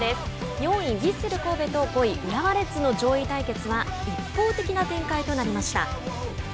４位ヴィッセル神戸と５位浦和レッズの上位対決は一方的な展開となりました。